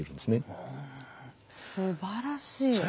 すばらしい。